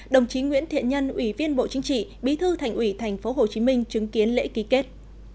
đồng chí nguyễn thiện nhân ủy viên bộ chính trị bí thư thành ủy tp hcm chứng kiến lễ ký kết